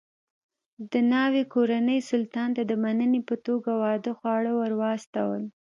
د ناوې کورنۍ سلطان ته د مننې په توګه واده خواړه ور واستول.